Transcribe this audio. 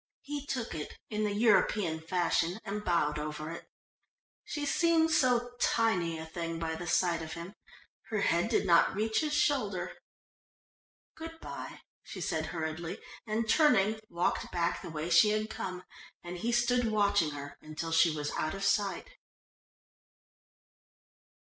He took it in the European fashion and bowed over it. She seemed so tiny a thing by the side of him, her head did not reach his shoulder. "Good bye," she said hurriedly and turning, walked back the way she had come, and he stood watching her until she was out of sight.